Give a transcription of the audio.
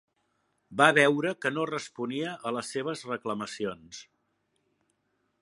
Va veure que no responia a les seves reclamacions